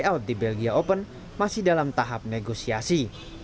dan mengikuti tryout di belgia open masih dalam tahap negosiasi